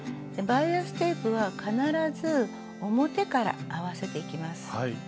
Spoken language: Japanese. バイアステープは必ず表から合わせていきます。